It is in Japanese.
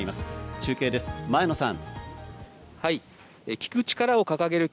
中継です、前野さん。